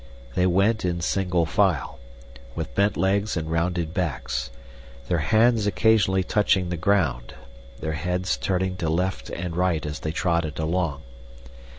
They went in single file, with bent legs and rounded backs, their hands occasionally touching the ground, their heads turning to left and right as they trotted along.